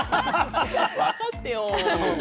分かってよ。